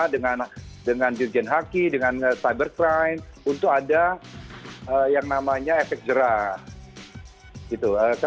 nah kita akan kerjasama dengan dirjen haki dengan cybercrime untuk ada yang namanya efek jerah